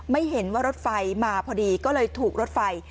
ไม่เห็นว่ารถไฟมาพอดีก็เลยถูกรถไฟ